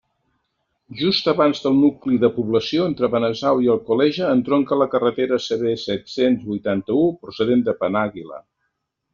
Just abans del nucli de població, entre Benasau i Alcoleja, entronca la carretera CV set-cents huitanta-u procedent de Penàguila.